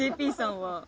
ＪＰさんは？